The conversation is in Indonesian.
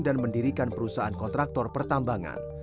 dan mendirikan perusahaan kontraktor pertambangan